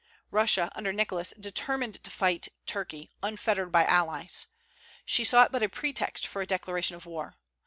Russia, under Nicholas, determined to fight Turkey, unfettered by allies. She sought but a pretext for a declaration of war.